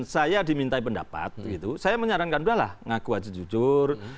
saya menyarankan udah lah ngaku aja jujur